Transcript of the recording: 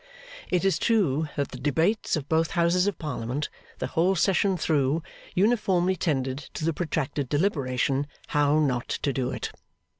It is true that the debates of both Houses of Parliament the whole session through, uniformly tended to the protracted deliberation, How not to do it.